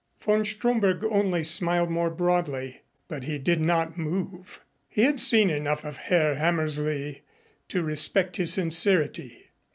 Von Stromberg only smiled more broadly. But he did not move. He had seen enough of Herr Hammersley to respect his sincerity.